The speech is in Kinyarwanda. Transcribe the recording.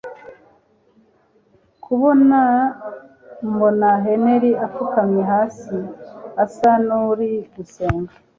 kubona mbona Henry apfukamye hasi asa nuri gusenga